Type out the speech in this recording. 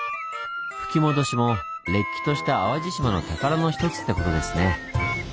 吹き戻しもれっきとした淡路島の宝の一つってことですね！